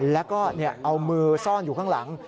แล้วก็เอามือซ่อนอยู่ข้างหลัง